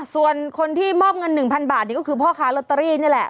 ส่วนคนที่มอบเงิน๑๐๐บาทก็คือพ่อค้าลอตเตอรี่นี่แหละ